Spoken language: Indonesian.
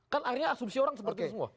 kan akhirnya asumsi orang seperti itu semua